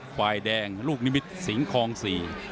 ฝ่ายแดงลูกนิมิตสิงคลองสี่